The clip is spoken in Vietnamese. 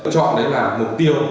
chúng ta chọn đấy là mục tiêu